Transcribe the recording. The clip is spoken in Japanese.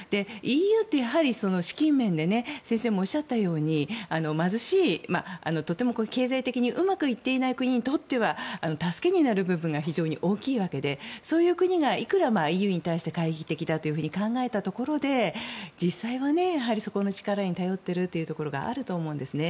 ＥＵって、やはり資金面で先生もおっしゃったように貧しい、とても経済的にうまくいっていない国にとっては助けになる部分が非常に大きいわけでそういう国がいくらＥＵに対して懐疑的だと考えたところで実際はそこの力に頼っているというところがあると思うんですね。